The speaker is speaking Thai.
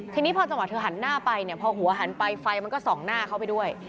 ทีนี้พอจังหวะเธอหันหน้าไปเนี่ยพอหัวหันไปไฟมันก็ส่องหน้าเขาไปด้วย